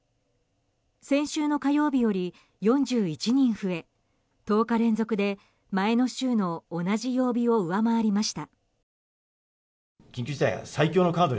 先週の火曜日より４１人増え１０日連続で前の週の同じ曜日を上回りました。